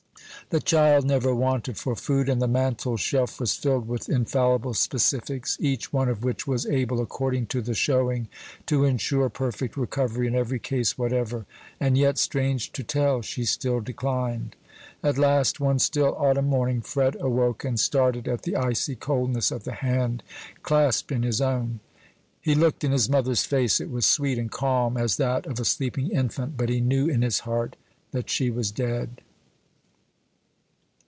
The child never wanted for food, and the mantle shelf was filled with infallible specifics, each one of which was able, according to the showing, to insure perfect recovery in every case whatever; and yet, strange to tell, she still declined. At last, one still autumn morning, Fred awoke, and started at the icy coldness of the hand clasped in his own. He looked in his mother's face; it was sweet and calm as that of a sleeping infant, but he knew in his heart that she was dead.